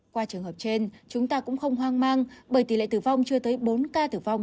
qua trường hợp trên chúng ta cũng không hoang mang bởi tỷ lệ tử vong chưa tới bốn ca tử vong